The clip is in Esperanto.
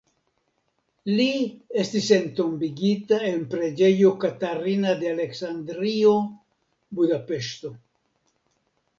Li estis entombigita en Preĝejo Katarina de Aleksandrio (Budapeŝto).